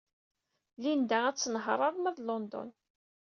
Linda ad tenheṛ arma d London.